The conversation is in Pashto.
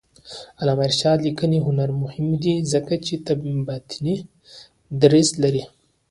د علامه رشاد لیکنی هنر مهم دی ځکه چې باطني دریځ لري.